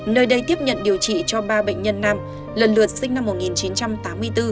nơi đây tiếp nhận điều trị cho ba bệnh nhân nam lần lượt sinh năm một nghìn chín trăm tám mươi bốn một nghìn chín trăm tám mươi tám